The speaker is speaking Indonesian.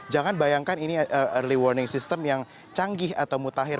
jangan bayangkan ini early warning system yang canggih atau mutakhir